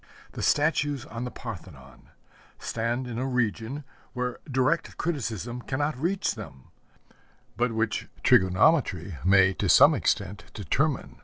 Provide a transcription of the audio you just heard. The statues on the Parthenon stand in a region where direct criticism cannot reach them, but which trigonometry may, to some extent, determine.